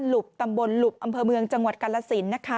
หุบตำบลหลุบอำเภอเมืองจังหวัดกาลสินนะคะ